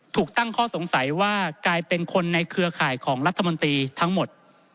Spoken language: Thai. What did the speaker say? ถูกตั้งข้อสงสัยว่ากลายเป็นคนในเครือข่ายของรัฐมนตรีทั้งหมด